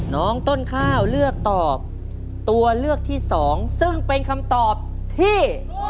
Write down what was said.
น้องต้นข้าวเลือกตอบตัวเลือกที่สองซึ่งเป็นคำตอบที่